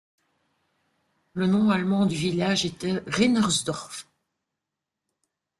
Le nom allemand du village était Rinnersdorf.